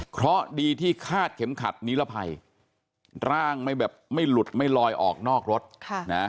เพราะดีที่คาดเข็มขับนิรภัยร่างไม่หลุดไม่ลอยออกนอกรถ